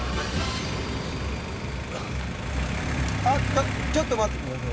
ちょちょっと待ってくださいよ。